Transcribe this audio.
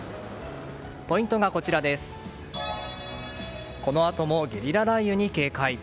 ポイントがこのあともゲリラ雷雨に警戒。